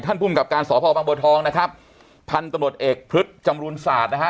ท่านปุ่มกับการสอบพ่อบางหัวทองนะครับท่านตำรวจเอกพฤษจำรุนศาสตร์นะฮะ